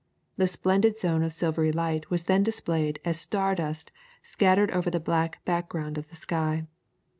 The splendid zone of silvery light was then displayed as star dust scattered over the black background of the sky.